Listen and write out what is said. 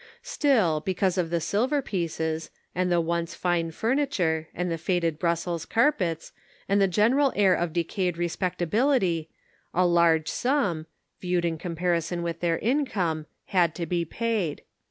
Still, because of the silver pieces, and the once fine furniture, and the faded Brussels carpets, and the general air of decayed respectability, a large sum — viewed in comparison with their income — had to be paid.